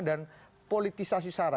dan politisasi sara